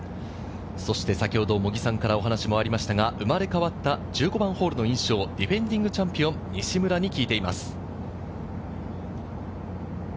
先ほど茂木さんからお話がありました、生まれ変わった１５番ホールの印象をディフェンディングチャンピオンの西村に聞いています。